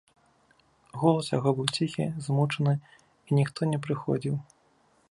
Голас яго быў ціхі, змучаны, і ніхто не прыходзіў.